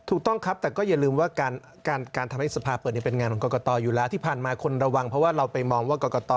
ถูกต้องครับแต่ก็อย่าลืมว่าการทำให้สภาเปิดเป็นงานของกรกตอยู่แล้วที่ผ่านมาคนระวังเพราะว่าเราไปมองว่ากรกต